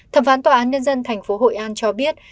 thẩm phán tòa án nhân dân tp hội an cho biết